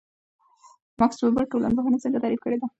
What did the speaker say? ماکس وِبر ټولنپوهنه څنګه تعریف کړې ده؟